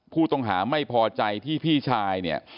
ผู้ต้องหาไม่พอใจที่พี่ชายเนี่ย